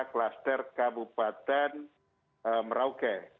klaster kabupaten merauke